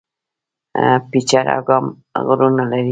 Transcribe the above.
پچیر اګام غرونه لري؟